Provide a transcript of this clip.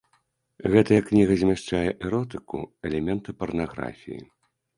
Гэтая кніга змяшчае эротыку, элементы парнаграфіі.